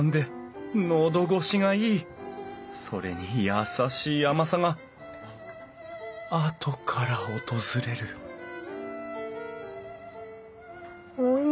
それに優しい甘さがあとから訪れるおい